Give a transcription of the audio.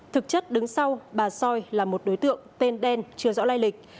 thực chất đứng sau bà soi là một đối tượng tên đen chưa rõ lai lịch